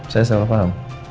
saya salah paham